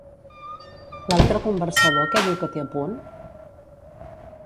L'altre conversador què diu que té a punt?